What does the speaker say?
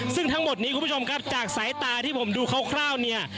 ซึ่งทั้งหมดนี้คุณผู้ชมครับจากสายตาที่ผมดูคร่าวเนี่ย